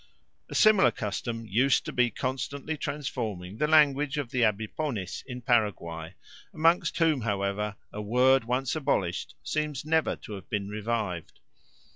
A similar custom used to be constantly transforming the language of the Abipones of Paraguay, amongst whom, however, a word once abolished seems never to have been revived.